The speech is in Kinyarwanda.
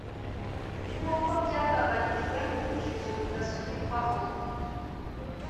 nkuko byagabanijwe mubujiji budasubirwaho